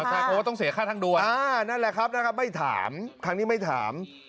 ใช่เพราะว่าต้องเสียค่าทางด่วนนั่นแหละครับนะครับไม่ถามครั้งนี้ไม่ถาม